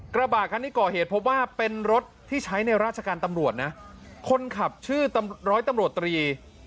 กระบะคันที่ก่อเหตุพบว่าเป็นรถที่ใช้ในราชการตำรวจนะคนขับชื่อร้อยตำรวจตรี